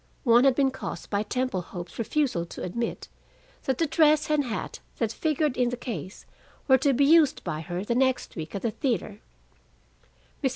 One had been caused by Temple Hope's refusal to admit that the dress and hat that figured in the case were to be used by her the next week at the theater. Mr.